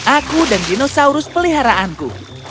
aku dan dinosaurus peliharaanku